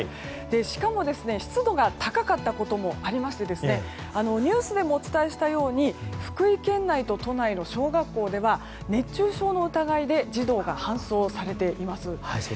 しかも湿度が高かったこともありニュースでもお伝えしたように福井県内と都内の小学校では熱中症の疑いで児童が搬送されています。